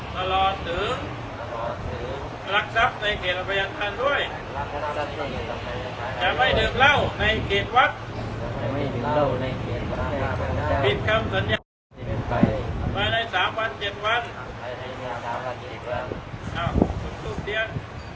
มาได้สามวันเจ็ดวันมาได้สามวันเจ็ดวันอ้าวจุดทูปเทียน